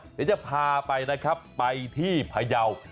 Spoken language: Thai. เดี๋ยวจะพาไปนะครับไปที่พยาว